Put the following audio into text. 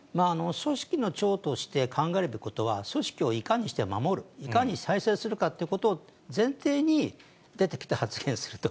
組織の長として考えるべきことは、組織をいかにして守る、いかに再生するかということを前提に、出てきて発言すると。